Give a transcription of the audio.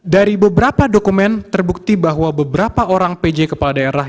dari beberapa dokumen terbukti bahwa beberapa orang pj kepala daerah